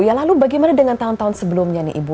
ya lalu bagaimana dengan tahun tahun sebelumnya nih ibu